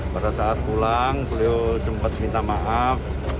pada saat pulang beliau sempat minta maaf